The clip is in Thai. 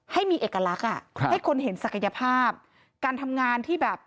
ให้มีเอกลักษณ์ให้คนเห็นศักยภาพการทำงานที่แบบ